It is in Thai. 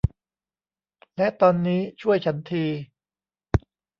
และตอนนี้ช่วยฉันที